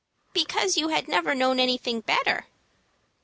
"Because you had never known anything better."